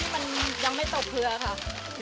มันยังไม่ตกเครือค่ะ